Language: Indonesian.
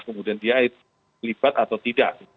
kemudian dia libat atau tidak